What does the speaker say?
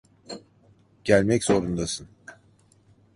Gelmek zorundasın.